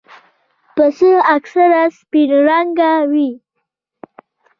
پسه اکثره سپین رنګه وي.